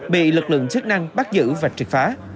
bị lực lượng chức năng bắt giữ và triệt phá